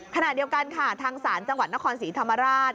ขณะเดียวกันค่ะทางศาลจังหวัดนครศรีธรรมราช